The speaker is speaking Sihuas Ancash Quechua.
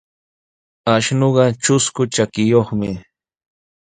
Ashnuqa trusku trakiyuqmi.